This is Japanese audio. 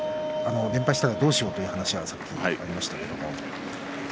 連敗したらどうしようという話がさっき、ありましたけれども。